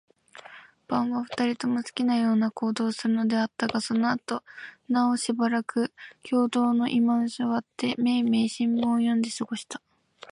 晩は、二人とも好きなような行動をするのではあったが、そのあとではなおしばらく共同の居間に坐って、めいめいが新聞を読んで過ごした。